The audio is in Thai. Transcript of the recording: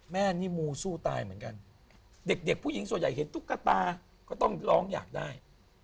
แม่นี่มูสู้ตายเหมือนกันเด็กผู้หญิงส่วนใหญ่เห็นตุ๊กตาก็ต้องร้องอยากได้